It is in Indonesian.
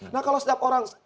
nah kalau setiap orang